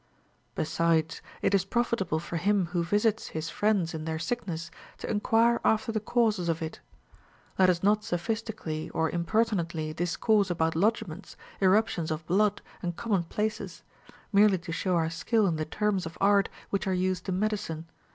15. Besides, it is profitable for him who visits his friends in their sickness to enquire after the causes of it. Let us not sophistically or impertinently discourse about lodgements, irruptions of blood, and commonplaces, merely to show our skill in the terms of art which are used in medicine.